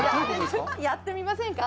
やってみませんか？